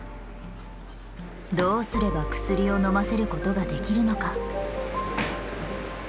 どうすれば薬を飲ませることができるのか。